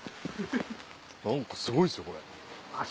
何かすごいですねこれ。